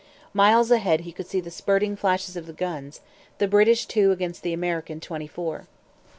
Miles ahead he could see the spurting flashes of the guns, the British two against the American twenty four.